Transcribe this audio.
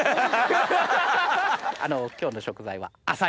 今日の食材は。